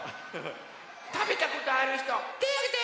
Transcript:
たべたことあるひとてあげて！